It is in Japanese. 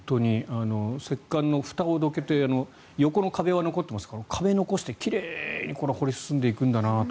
石棺のふたをどけて横の壁は残ってますが壁を残して奇麗に掘り進めていくんだなと。